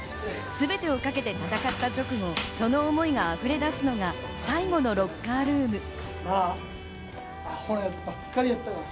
すべてを懸けて戦った直後、その思いが溢れ出すのが最後のロッカールーム。